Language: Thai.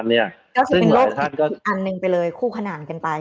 ก็จะเป็นรถอีกอันหนึ่งไปเลยคู่ขนานกันไป